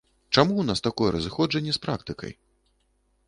Чаму ў нас такое разыходжанне з практыкай?